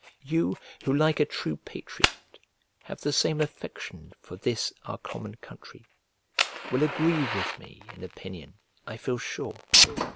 You, who like a true patriot have the same affection for this our common country, will agree with me in opinion, I feel sure.